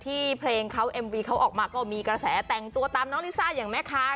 เพลงเขาเอ็มวีเขาออกมาก็มีกระแสแต่งตัวตามน้องลิซ่าอย่างแม่ค้า